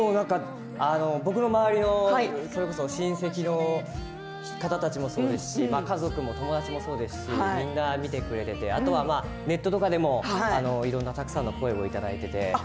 僕の周りのそれこそ親戚の方たちもそうですし家族も友達もそうですしみんな見てくれていてあとネットとかでもたくさんの声をいただいていて。